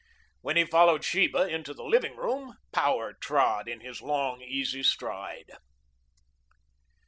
When he followed Sheba into the living room, power trod in his long, easy stride.